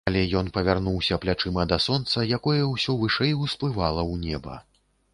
Але ён павярнуўся плячыма да сонца, якое ўсё вышэй усплывала ў неба.